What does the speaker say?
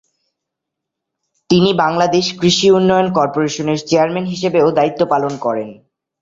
তিনি বাংলাদেশ কৃষি উন্নয়ন কর্পোরেশনের চেয়ারম্যান হিসেবেও দায়িত্ব পালন করেন।